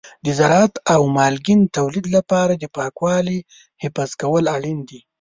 د زراعت او مالګین تولید لپاره د پاکوالي حفظ کول اړین دي.